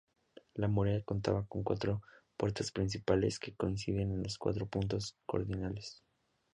La muralla contaba con cuatro puertas principales, que coinciden con los cuatro puntos cardinales.